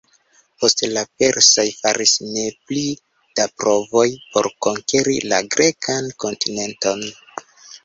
Poste la persaj faris ne pli da provoj por konkeri la grekan kontinenton.